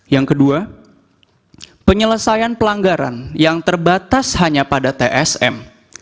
yang kedua penyelesaian pelanggaran yang terbatas hanya pada tsm